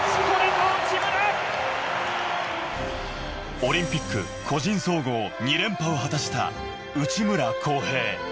オリンピック個人総合２連覇を果たした内村航平。